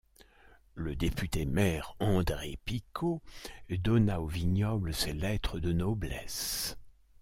Le député-maire André Picquot donna au vignoble ses lettres de noblesse.